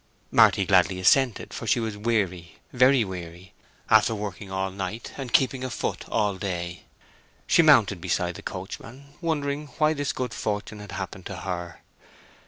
Marty gladly assented, for she was weary, very weary, after working all night and keeping afoot all day. She mounted beside the coachman, wondering why this good fortune had happened to her.